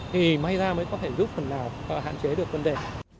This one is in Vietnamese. thì may ra mới có thể giúp phần nào hạn chế được vấn đề